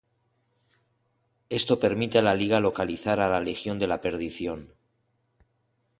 Esto permite a la Liga localizar a la Legión de la Perdición.